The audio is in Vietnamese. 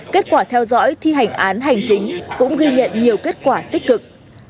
kết quả theo dõi thi hành án hành chính cũng ghi nhận nhiều kết quả tích cực